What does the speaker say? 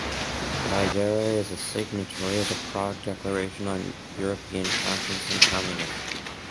Vaidere is a signatory of the Prague Declaration on European Conscience and Communism.